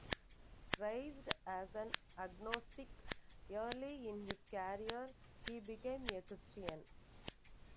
Raised as an agnostic, early in his career he became a Christian.